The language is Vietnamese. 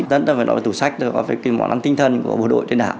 tất cả phải nói về tủ sách tất cả phải kiểm soát tinh thần của bộ đội trên đảo